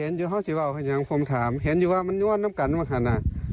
เห็นอยู่ห้าสิว่าอย่างผมถามเห็นอยู่ว่ามันยวดน้ำกันมันหันอ่ะ